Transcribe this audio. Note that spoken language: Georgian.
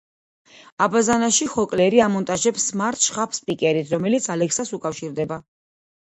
აბაზანაში „კოჰლერი“ ამონტაჟებს „სმარტ“ შხაპს სპიკერით, რომელიც „ალექსას“ უკავშირდება.